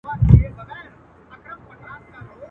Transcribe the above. همېشه به يې دوه درې فصله کرلې.